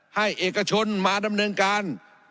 ให้เอกชนมาดำเนินการ